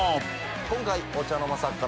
今回お茶の間作